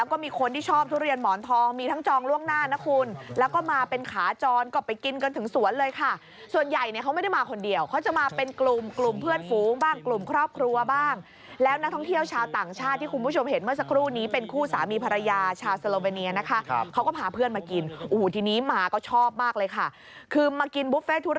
โอ้โหแล้วดูต่างชาติเขากินแบบ